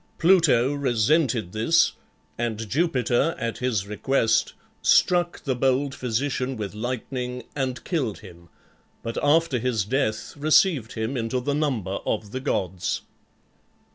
Pluto resented this, and Jupiter, at his request, struck the bold physician with lightning, and killed him, but after his death received him into the number of the gods.